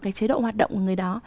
cái chế độ hoạt động của người đó